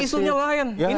ini isunya lain